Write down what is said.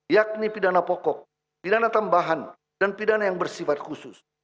yakni pidana pokok pidana tambahan dan pidana yang bersifat khusus